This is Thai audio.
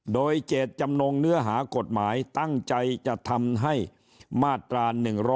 โดยเจตจำนงเนื้อหากฎหมายตั้งใจจะทำให้มาตรา๑๑๒